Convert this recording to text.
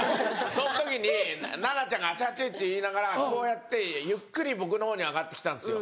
その時に奈々ちゃんが「熱い熱い！」って言いながらこうやってゆっくり僕の方に上がってきたんですよ。